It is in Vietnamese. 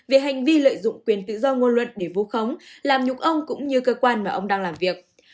về hành vi lợi dụng quyền tự do ngôn luận để vu khống làm nhục ông cũng như cơ quan mà ông đang làm việc